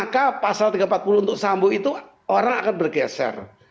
karena orang akan bergeser